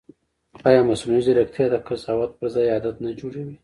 ایا مصنوعي ځیرکتیا د قضاوت پر ځای عادت نه جوړوي؟